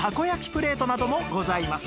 プレートなどもございます